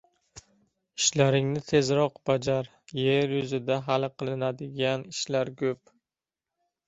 Ishlaringni tezroq bajar, yer yuzida hali qilinadigan ishlar ko‘p.